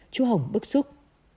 chú hồng bức xúc